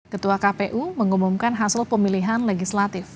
ketua kpu mengumumkan hasil pemilihan legislatif